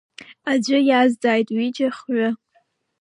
Аӡәы иазҵааит, ҩыџьа, хҩы…